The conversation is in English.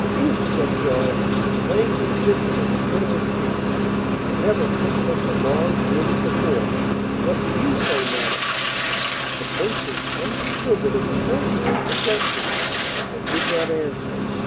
'Ouf,' said John, laying her gently at the foot of a tree. 'I never took such a long journey before. What do you say, madam?' The Princess understood that it was no time for jesting, and did not answer.